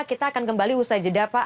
kita akan kembali usai jeda pak